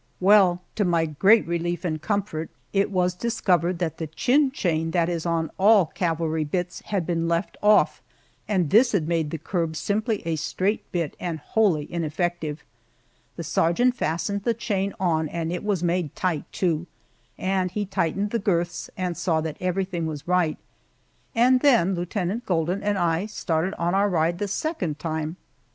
Well, to my great relief and comfort, it was discovered that the chin chain that is on all cavalry bits had been left off, and this had made the curb simply a straight bit and wholly ineffective. The sergeant fastened the chain on and it was made tight, too, and he tightened the girths and saw that everything was right, and then Lieutenant Golden and I started on our ride the second time.